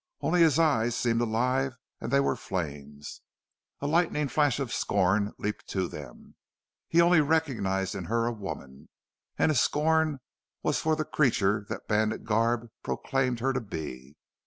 Only his eyes seemed alive and they were flames. A lightning flash of scorn leaped to them. He only recognized in her a woman, and his scorn was for the creature that bandit garb proclaimed her to be.